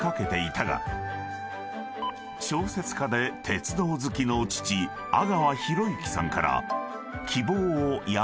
［小説家で鉄道好きの父阿川弘之さんから］